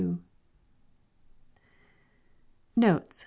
Notes.